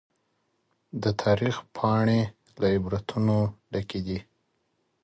د تاريخ پاڼې له عبرتونو ډکې دي.